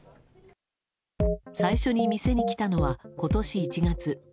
最初に店に来たのは、今年１月。